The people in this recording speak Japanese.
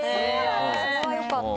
それはよかった。